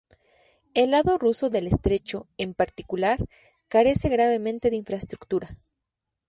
El lado ruso del Estrecho, en particular, carece gravemente de infraestructura.